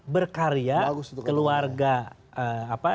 berkarya keluarga apa